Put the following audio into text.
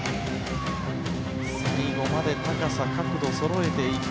最後まで高さ、角度をそろえていく。